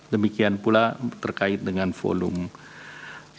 demikian pula terkait dengan volume